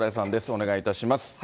お願いいたします。